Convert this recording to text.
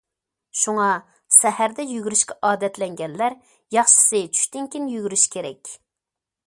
شۇڭا، سەھەردە يۈگۈرۈشكە ئادەتلەنگەنلەر ياخشىسى چۈشتىن كېيىن يۈگۈرۈش كېرەك.